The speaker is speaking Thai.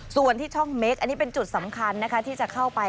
ส่วนที่ช่องเมคอันนี้เป็นจุดสำคัญนะคะที่จะเข้าไป